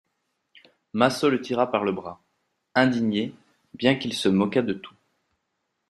Massot le tira par le bras, indigné, bien qu'il se moquât de tout.